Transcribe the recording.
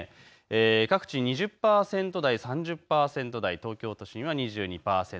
各地２０％台、３０％台、東京都心は２２％。